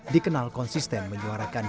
dikenal konsisten menyuarakan